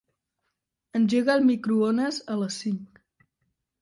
Engega el microones a les cinc.